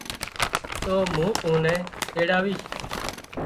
تو مُون تون نين تيڙاويش